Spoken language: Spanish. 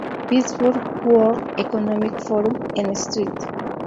Petersburg World Economic Forum en St.